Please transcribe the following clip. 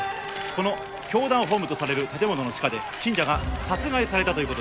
この教団本部とされる建物の地下で信者が殺害されたという事です。